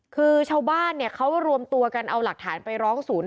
คือชาวบ้านเนี่ยเขารวมตัวกันเอาหลักฐานไปร้องศูนย์